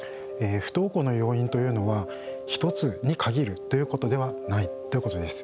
不登校の要因というのは１つに限るということではないということです。